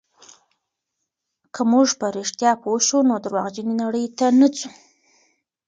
که موږ په رښتیا پوه شو، نو درواغجنې نړۍ ته نه ځو.